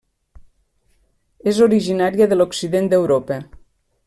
És originària de l'occident d'Europa.